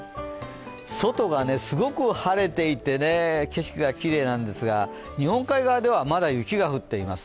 外がすごく晴れていて、景色がきれいなんですが、日本海側ではまだ雪が降っています。